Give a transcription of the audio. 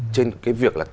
trên cái việc là kể